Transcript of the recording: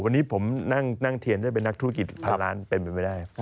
วันนี้ผมนั่งเทียนได้เป็นนักธุรกิจพันล้านเป็นไปไม่ได้